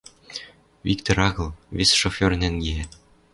Виктор агыл, вес шофер нӓнгеӓ